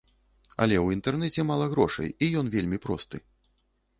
Але ў інтэрнэце мала грошай, і ён вельмі просты.